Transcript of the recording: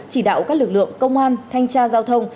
chỉ đạo các lực lượng công an thanh tra giao thông